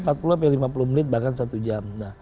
sampai lima puluh menit bahkan satu jam